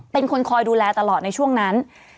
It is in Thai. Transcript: เป็นคนคอยดูแลตลอดในช่วงนั้น